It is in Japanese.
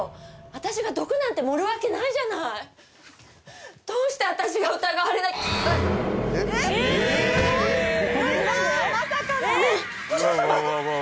私が毒なんて盛るわけないじゃないどうして私が疑われなきゃあっお嬢様！